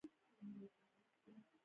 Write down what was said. د ښوونکي احترام وشي.